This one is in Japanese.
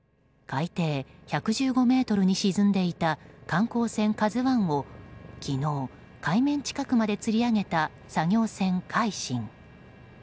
海底１１５ｍに沈んでいた観光船「ＫＡＺＵ１」を昨日、海面近くまでつり上げた作業船「海進」。